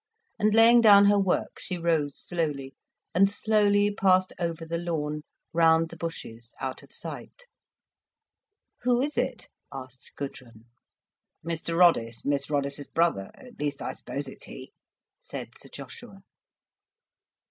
And laying down her work, she rose slowly, and slowly passed over the lawn, round the bushes, out of sight. "Who is it?" asked Gudrun. "Mr Roddice—Miss Roddice's brother—at least, I suppose it's he," said Sir Joshua.